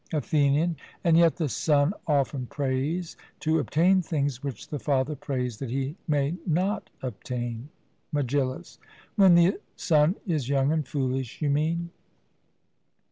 ATHENIAN: And yet the son often prays to obtain things which the father prays that he may not obtain. MEGILLUS: When the son is young and foolish, you mean?